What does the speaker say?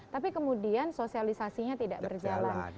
tapi kemudian sosialisasinya tidak berjalan